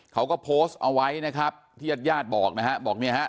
เขาก็โพสต์เอาไว้นะครับที่ญาติญาติบอกนะฮะบอกเนี่ยฮะ